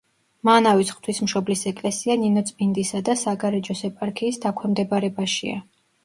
მანავის ღვთისმშობლის ეკლესია ნინოწმინდისა და საგარეჯოს ეპარქიის დაქვემდებარებაშია.